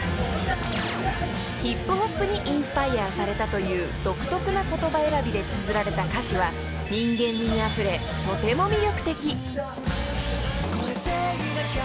［ヒップホップにインスパイアされたという独特な言葉選びでつづられた歌詞は人間味にあふれとても魅力的］